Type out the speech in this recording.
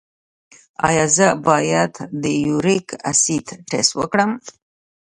ایا زه باید د یوریک اسید ټسټ وکړم؟